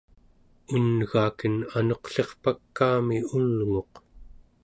un'gaken anuqlirpakaami ulnguq